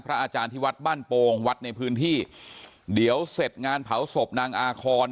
อาจารย์ที่วัดบ้านโปงวัดในพื้นที่เดี๋ยวเสร็จงานเผาศพนางอาคอน